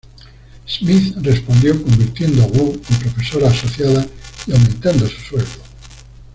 Smith respondió convirtiendo a Wu en profesora asociada y aumentando su sueldo.